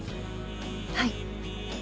はい。